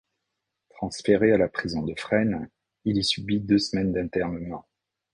Transféré à la prison de Fresnes, il y subit deux semaines d'internement.